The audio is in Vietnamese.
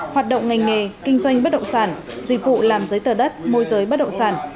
hoạt động ngành nghề kinh doanh bất động sản dịch vụ làm giấy tờ đất môi giới bất động sản